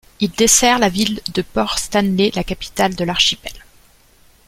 Il dessert la ville de Port Stanley, la capitale de l'archipel.